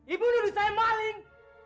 ibu nuduh saya maling